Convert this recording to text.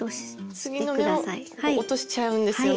次の目を落としちゃうんですよね？